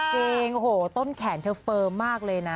จริงโอ้โหต้นแขนเธอเฟิร์มมากเลยนะ